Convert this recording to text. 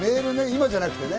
今じゃなくてね。